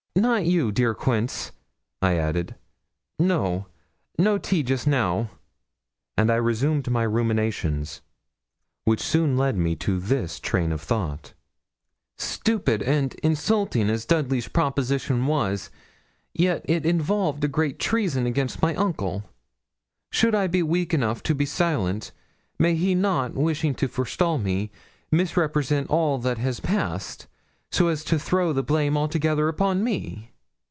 'Not you, dear old Quince,' I added. 'No no tea just now.' And I resumed my ruminations, which soon led me to this train of thought 'Stupid and insulting as Dudley's proposition was, it yet involved a great treason against my uncle. Should I be weak enough to be silent, may he not, wishing to forestall me, misrepresent all that has passed, so as to throw the blame altogether upon me?'